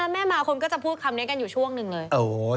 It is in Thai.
เราจะพูดคำนี้กันอยู่ช่วงหนึ่งเลย